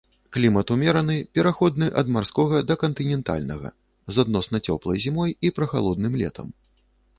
Клімат умераны, пераходны ад марскога да кантынентальнага, з адносна цёплай зімой і прахалодным летам.